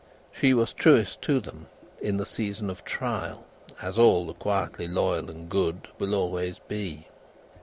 She was truest to them in the season of trial, as all the quietly loyal and good will always be.